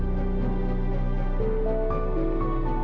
fai t'ai aman